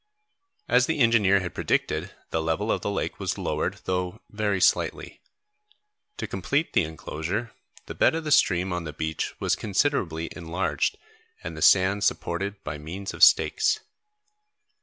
As the engineer had predicted, the level of the lake was lowered, though very slightly. To complete the enclosure the bed of the stream on the beach was considerably enlarged, and the sand supported by means of stakes.